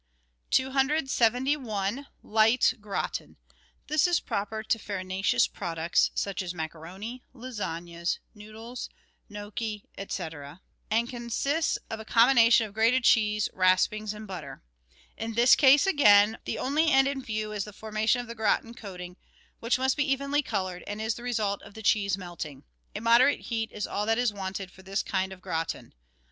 LEADING CULINARY OPERATIONS 129 271— LIGHT QRATIN This is proper to farinaceous products, such as macaroni, lazagnes, noodles, gnocchi, &c., and consists of a combina tion of grated cheese, raspings, and butter. In this case, again, the only end in view is the formation of the gratin coating, which must be evenly coloured, and is the result of the cheese melting. A moderate heat is all that is wanted for this kind of gratin.